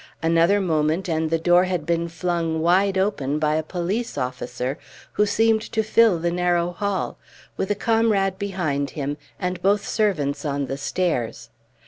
Another moment and the door had been flung wide open by a police officer, who seemed to fill the narrow hall, with a comrade behind him and both servants on the stairs.